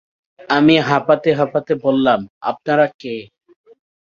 আমি হাপাতে হাপাতে বললাম - আপনারা কে?